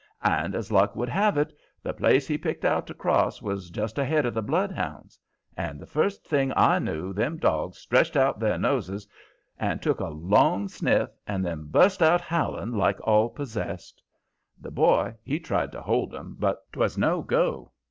And, as luck would have it, the place he picked out to cross was just ahead of the bloodhounds. And the first thing I knew, them dogs stretched out their noses and took a long sniff, and then bust out howling like all possessed. The boy, he tried to hold 'em, but 'twas no go.